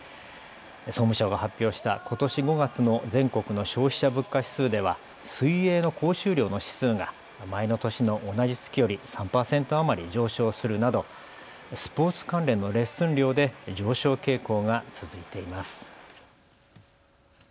総務省が発表したことし５月の全国の消費者物価指数では水泳の講習料の指数が前の年の同じ月より３％余り上昇するなどスポーツ関連のレッスン料で上昇傾向が続いています。